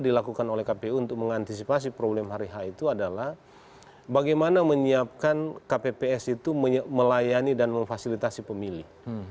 yang dilakukan oleh kpu untuk mengantisipasi problem hari h itu adalah bagaimana menyiapkan kpps itu melayani dan memfasilitasi pemilih